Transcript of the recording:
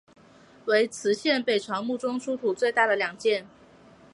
为磁县北朝墓中出土最大的两件。